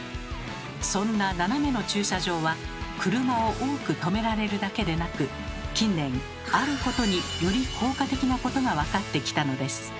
そんな斜めの駐車場は車を多くとめられるだけでなく近年あることにより効果的なことがわかってきたのです。